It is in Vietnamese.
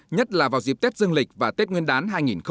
nhất là vào dịp tết dương lịch và tết nguyên đán hai nghìn hai mươi